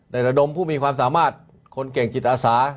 ระดมผู้มีความสามารถคนเก่งจิตอาสา